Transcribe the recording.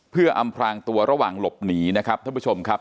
เพื่ออำพลางตัวระหว่างหลบหนีนะครับท่านผู้ชมครับ